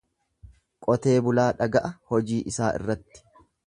Qotee bulaa dhaga'a hojii isaa irratti.